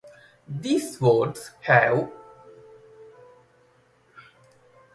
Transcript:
These wards have in these lists been translated to English to shorten columns.